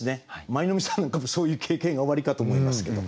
舞の海さんなんかもそういう経験がおありかと思いますけど。